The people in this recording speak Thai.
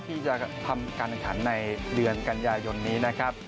ที่จะทำการแข่งขันในเดือนกันยายนนี้นะครับ